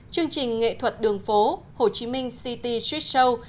chương trình nghệ thuật đường phố hồ chí minh city street show